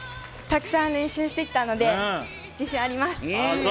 たくさん練習してきたので自信あります。